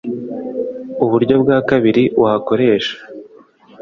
uburyo bwa kabiri wakoresha